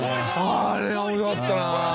あれ面白かったな。